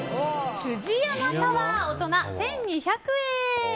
タワー大人１２００円。